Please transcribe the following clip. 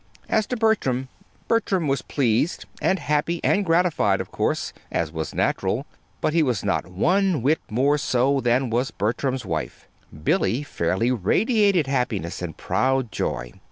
As to Bertram Bertram was pleased and happy and gratified, of course, as was natural; but he was not one whit more so than was Bertram's wife. Billy fairly radiated happiness and proud joy.